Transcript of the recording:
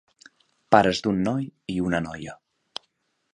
Pares d'un noi i una noia.